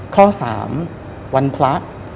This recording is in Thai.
ข้อสามวันพระ